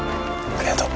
ありがとう！